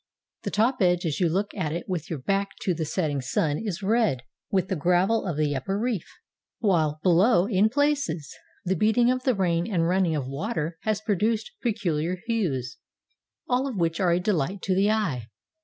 The top edge as you look at it with your back to the setting sun is red with the gravel of the upper reef, while, below, in places, the beating of the rain and run ning of water has produced peculiar hues, all of which are a deUght to the eye.